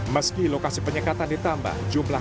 meski lokasi penyekatan ditambah jumlah